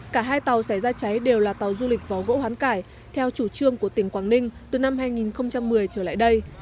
cả hai tàu sẽ ra cháy đều là tàu du lịch vỏ gỗ hoán cải theo chủ trương của tỉnh quảng ninh từ năm hai nghìn một mươi trở lại đây